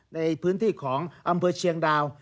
ในพื้นที่ของอำเภอเชียงดาว